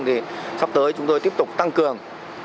thì sắp tới chúng tôi tiếp tục tăng cường